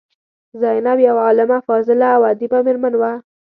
زینب یوه عالمه، فاضله او ادیبه میرمن وه.